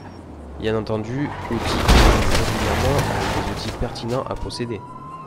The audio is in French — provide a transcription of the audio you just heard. Bien entendu, l'outil évolue régulièrement avec des outils pertinents à posséder.